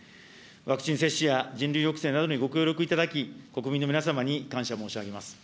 ワクチン接種や人流抑制などにご協力いただき、国民の皆様に感謝申し上げます。